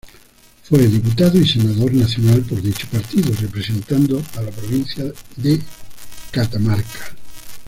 Fue diputado y senador nacional por dicho partido representando a la provincia de Catamarca.